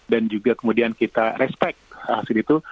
dan juga kemudian kita respect hasil itu